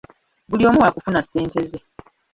Buli omu waakifuna ssente ze.